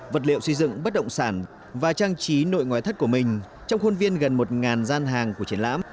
vật liệu xây dựng bất động sản và trang trí nội ngoại thất của mình trong khuôn viên gần một gian hàng của triển lãm